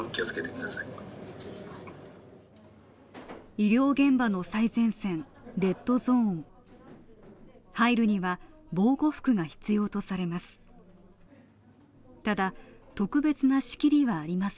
医療現場の最前線レッドゾーン入るには、防護服が必要とされます。